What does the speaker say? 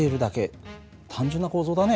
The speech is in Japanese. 単純な構造だね。